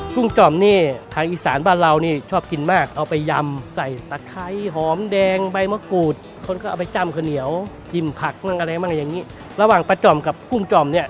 ปลากระดีคือคนภาคการเขากินได้คนอีสานเขากินได้เพราะว่ามันเป็นปลากระดีตัดหัวแหวะขี่ขอดเก็บอันนี้จะไม่ออกขมเฉล่าย